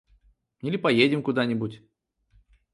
Или поедем куда-нибудь.